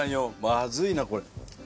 まずいなこれ。